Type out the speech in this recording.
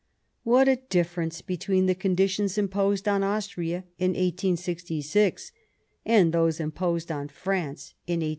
What a difference between the conditions imposed on Austria in 1866 and those imposed on France in 1871 !